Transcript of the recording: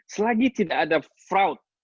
selagi tidak ada fraud